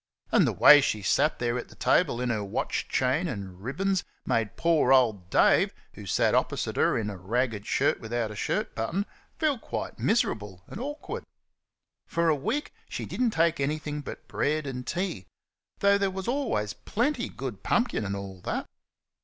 And the way she sat there at the table in her watch chain and ribbons made poor old Dave, who sat opposite her in a ragged shirt without a shirt button, feel quite miserable and awkward. For a whole week she did n't take anything but bread and tea though there was always plenty good pumpkin and all that.